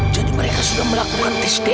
jadi mereka sudah melakukan tes dna